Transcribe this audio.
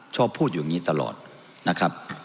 ชอบพูดอย่างนี้ตลอดนะครับ